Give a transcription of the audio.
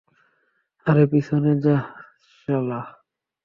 আরে পিছনে যা, শ্লা।